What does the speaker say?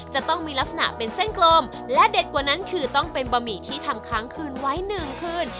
จะต้องมีลักษณะเป็นเส้นกลมและเด็ดกว่านั้นคือต้องเป็นบะหมี่ที่ทำค้างคืนไว้หนึ่งคืน